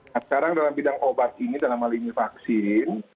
nah sekarang dalam bidang obat ini dalam hal ini vaksin